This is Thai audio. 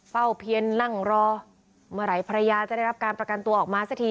เพียนนั่งรอเมื่อไหร่ภรรยาจะได้รับการประกันตัวออกมาสักที